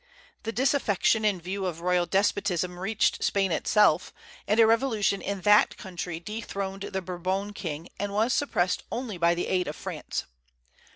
The disaffection in view of royal despotism reached Spain itself, and a revolution in that country dethroned the Bourbon king, and was suppressed only by the aid of France.